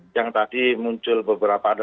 yang tadi muncul beberapa ada